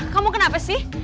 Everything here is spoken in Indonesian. kamu kenapa sih